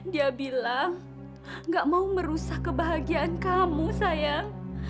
dia bilang gak mau merusak kebahagiaan kamu sayang